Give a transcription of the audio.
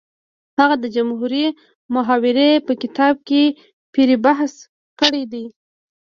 هغه د جمهوري محاورې په کتاب کې پرې بحث کړی دی